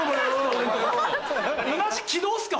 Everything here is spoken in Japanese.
同じ軌道っすか？